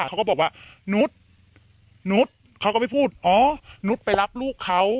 เขาก็บอกว่านุษย์นุษย์เขาก็ไม่พูดอ๋อนุษย์ไปรับลูกเขา